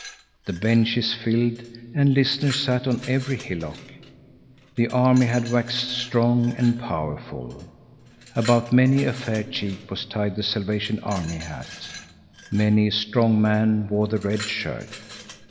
The benches filled, and listeners sat on every hillock. The army had waxed strong and powerful. About many a fair cheek was tied the Salvation Army hat. Many a strong man wore the red shirt.